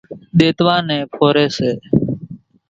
ۮيتوا نين ڦوري سي